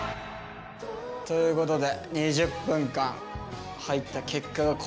ということで２０分間入った結果がこちらでございます。